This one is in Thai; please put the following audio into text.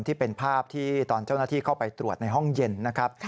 ที่เป็นภาพที่ตอนเจ้าหน้าที่เข้าไปตรวจในห้องเย็นนะครับ